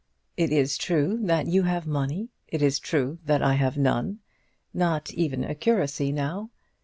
It is true that you have money. It is true that I have none, not even a curacy now.